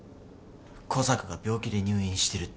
小坂が病気で入院してるって。